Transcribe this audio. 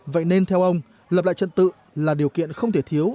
vậy nên theo ông lập lại trật tự là điều kiện không thể thiếu